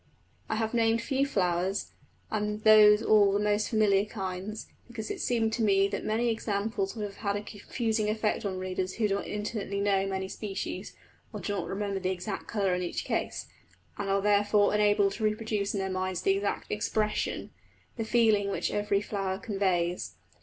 I have named few flowers, and those all the most familiar kinds, because it seemed to me that many examples would have had a confusing effect on readers who do not intimately know many species, or do not remember the exact colour in each case, and are therefore unable to reproduce in their minds the exact expression the feeling which every flower conveys.